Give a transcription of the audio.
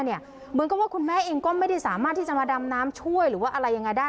เหมือนกับว่าคุณแม่เองก็ไม่ได้สามารถที่จะมาดำน้ำช่วยหรือว่าอะไรยังไงได้